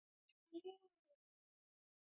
وخت ډېر ارزښتناک دی